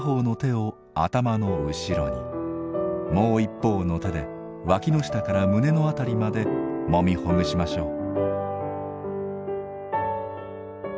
もう一方の手で脇の下から胸の辺りまでもみほぐしましょう。